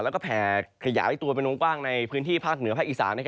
แล้วก็แผ่ขยายตัวเป็นวงกว้างในพื้นที่ภาคเหนือภาคอีสาน